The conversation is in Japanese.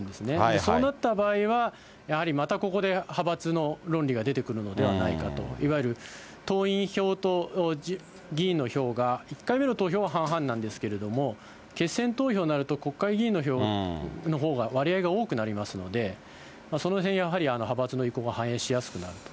そうなった場合は、やはりまたここで派閥の論理が出てくるのではないかという、いわゆる党員票と議員の票が、１回目の投票は半々なんですけれども、決選投票になると、国会議員の票のほうが割合が多くなりますので、そのへん、やはり派閥の意向が反映しやすくなると。